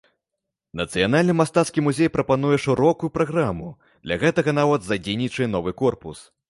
Нацыянальны мастацкі музей прапануе шырокую праграму, для гэтага нават задзейнічае новы корпус.